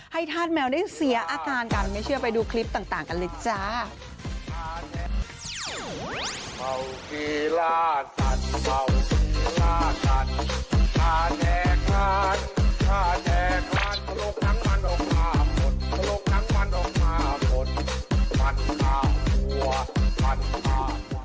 ธาตุแมวได้เสียอาการกันไม่เชื่อไปดูคลิปต่างกันเลยจ้า